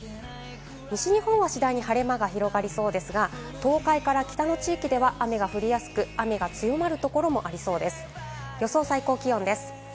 西日本は次第に晴れ間が広がりそうですが、東海から北の地域では雨が降りやすく、「『クイックル』で良くない？」